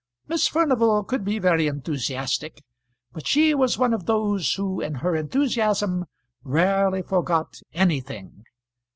Miss Furnival could be very enthusiastic, but she was one of those who in her enthusiasm rarely forgot anything.